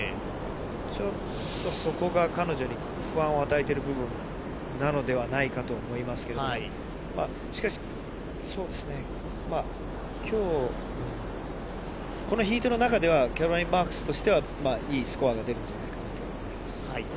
ちょっと、そこが彼女に不安を与えている部分なのではないかと思いますけど、まあ、しかし、きょう、このヒートの中では、キャロライン・マークスとしては、まあ、いいスコアが出るんじゃないかなと思います。